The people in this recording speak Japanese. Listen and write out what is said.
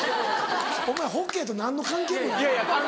お前ホッケーと何の関係もないやろ。